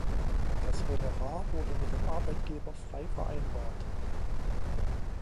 Das Honorar wurde mit dem Arbeitgeber frei vereinbart.